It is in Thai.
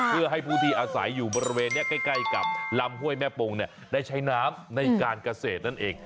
เพื่อให้ภูมิอาศัยอยู่บริเวณใกล้กับลำห้วยแม่ปงเนี่ยได้ใช้น้ำในการกาเศษนั่นเอง